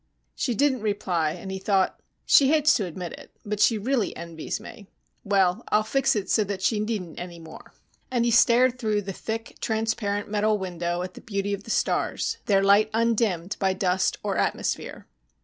She didn't reply, and he thought, She hates to admit it, but she really envies me. Well, I'll fix it so that she needn't any more. And he stared through the thick, transparent metal window at the beauty of the stars, their light undimmed by dust or atmosphere.